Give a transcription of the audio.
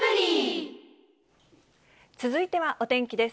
続いてはお天気です。